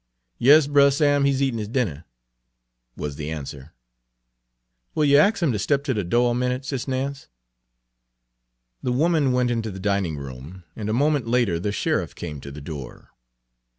"Yas, Brer Sam, he's eatin' his dinner," was the answer. Page 68 "Will yer ax 'im ter step ter de do' a minute, Sis' Nance?" The woman went into the dining room, and a moment later the sheriff came to the door.